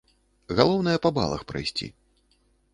Галоўнае па балах прайсці.